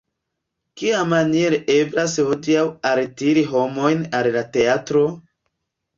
Kiamaniere eblas hodiaŭ altiri homojn al la teatro?